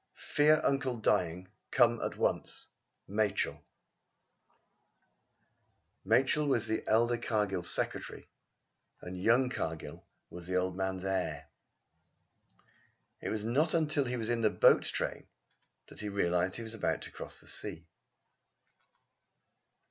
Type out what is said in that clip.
"Fear uncle dying. Come at once. Machell." Machell was the elder Cargill's secretary, and young Cargill was the old man's heir. It was not until he was in the boat train that he realised that he was about to cross the sea.